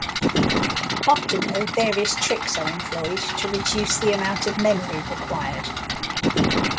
Often though, various tricks are employed to reduce the amount of memory required.